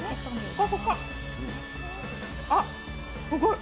あっ、すごい。